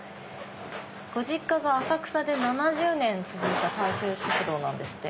ご実家が浅草で７０年続いた大衆食堂なんですって。